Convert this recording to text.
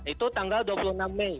itu tanggal dua puluh enam mei